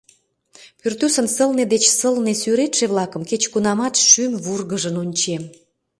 Пӱртӱсын сылне деч сылне сӱретше-влакым кеч-кунамат шӱм вургыжын ончем.